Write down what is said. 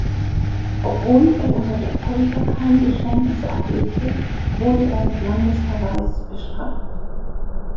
Obwohl er unter der Folter kein Geständnis ablegte, wurde er mit Landesverweis bestraft.